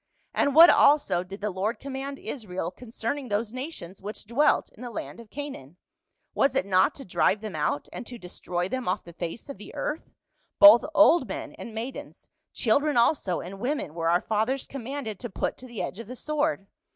And what also did the Lord command Israel concerning those nations which dwelt in the land of Canaan ; was it not to dri\'e them out, and to destroy them off the face of the earth ? Both old men and maidens, children also and women were our fathers commanded to put to the edge of the sword.